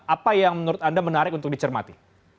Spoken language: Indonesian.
apa yang menurut anda menarik untuk dicermati